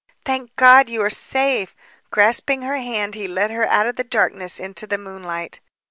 "Thank God! You are safe!" Grasping her hand he led her out of the darkness into the moonlight.